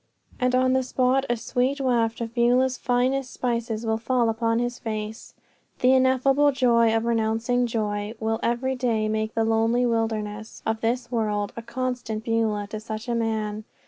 and on the spot a sweet waft of Beulah's finest spices will fall upon his face. "The ineffable joy of renouncing joy" will every day make the lonely wilderness of this world a constant Beulah to such a man.